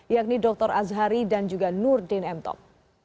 yakni dr azhari dan juga nurdin emtok